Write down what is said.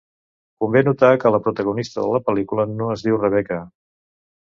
Convé notar que la protagonista de la pel·lícula no es diu Rebeca.